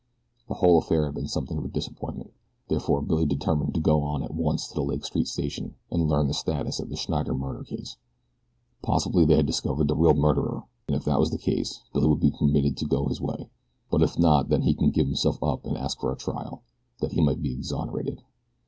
The whole affair had been something of a disappointment. Therefore Billy determined to go at once to the Lake Street Station and learn the status of the Schneider murder case. Possibly they had discovered the real murderer, and if that was the case Billy would be permitted to go his way; but if not then he could give himself up and ask for a trial, that he might be exonerated.